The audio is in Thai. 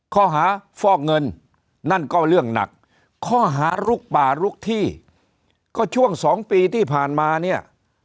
ข้อหาฟอกเงินนั่นก็เรื่องหนักข้อหาลุกป่าลุกที่ก็ช่วง๒ปีที่ผ่านมาเนี่ย